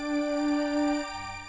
gue harus kuat